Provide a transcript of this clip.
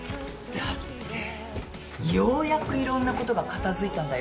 だってようやくいろんなことが片づいたんだよ。